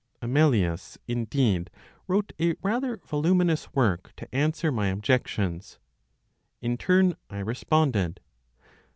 Amelius indeed wrote a rather voluminous work to answer my objections. In turn, I responded.